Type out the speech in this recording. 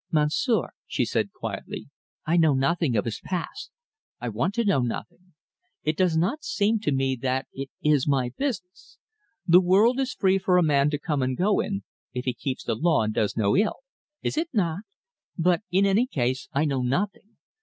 "Monsieur," she said quietly; "I know nothing of his past. I want to know nothing. It does not seem to me that it is my business. The world is free for a man to come and go in, if he keeps the law and does no ill is it not? But, in any case, I know nothing.